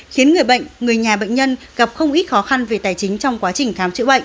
khiến người bệnh người nhà bệnh nhân gặp không ít khó khăn về tài chính trong quá trình khám chữa bệnh